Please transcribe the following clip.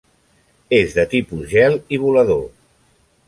És de tipus gel i volador.